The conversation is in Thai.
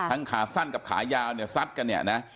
ขาสั้นกับขายาวเนี่ยซัดกันเนี่ยนะ